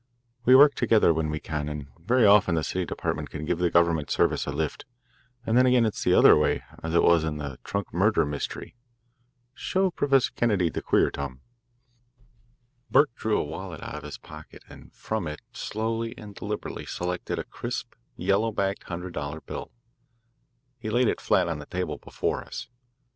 "We try to work together when we can, and very often the city department can give the government service a lift, and then again it's the other way as it was in the trunk murder mystery. Show Professor Kennedy the 'queer,' Tom." Burke drew a wallet out of his pocket, and from it slowly and deliberately selected a crisp, yellow backed hundred dollar bill. He laid it flat on the table before us.